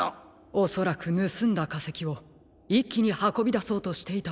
おそらくぬすんだかせきをいっきにはこびだそうとしていたのでしょう。